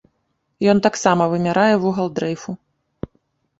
Ён таксама вымярае вугал дрэйфу.